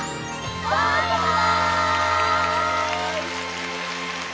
バイバイ！